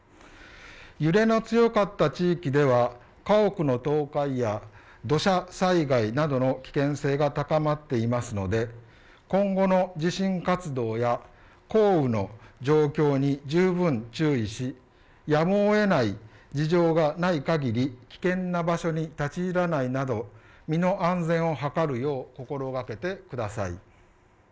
揺れの強かった地域では、家屋の倒壊や土砂災害などの危険性が高まっていますので今後の地震活動や降雨の状況に十分注意しやむをえない事情がないかぎり危険な場所に立ち入らないなど身の安全を図るよう心がけてください。